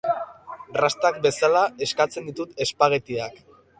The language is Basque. Proposamenarekin bat egitera animatu du elkarte feministak.